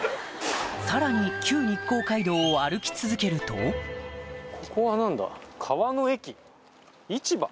さらに旧日光街道を歩き続けると市場？